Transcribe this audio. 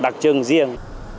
đặc trưng riêng